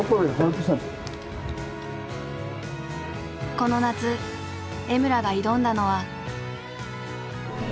この夏江村が挑んだのは。